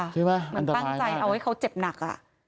ใช่ไหมอันตรายมากเลยค่ะมันตั้งใจเอาให้เขาเจ็บหนัก